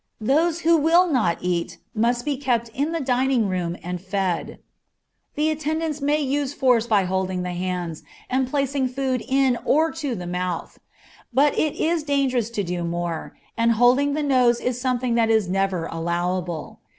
Those who will not eat must be kept in the dining room and fed; the attendants may use force by holding the hands, and placing food in or to the mouth; but it is dangerous to do more, and holding the nose is something that is never allowable.